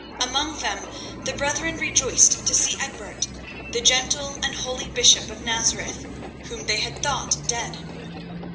Among them the brethren rejoiced to see Egbert, the gentle and holy bishop of Nazareth, whom they had thought dead.